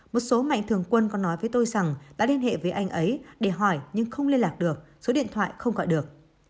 một số mạnh thường quân có nói với tôi rằng đã liên hệ với anh ấy để hỏi nhưng không liên lạc được số điện thoại không gọi được